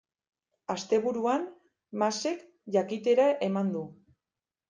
Asteburuan Masek jakitera eman du.